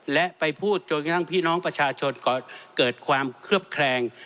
และไปพูดจนกระทั่งพี่น้องประชาชนเกิดความเคลือบแคลง